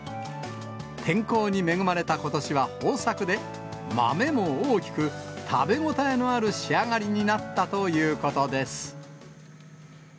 天候に恵まれたことしは豊作で、豆も大きく、食べ応えのある仕上がりになったということです。